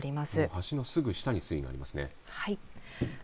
橋のすぐ下に水位がありますね。